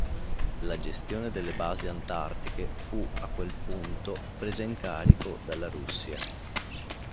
La gestione delle basi antartiche fu a quel punto presa in carico dalla Russia.